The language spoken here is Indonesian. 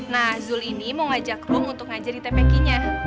nah zul ini mau ngajak rum untuk ngajar di tpk nya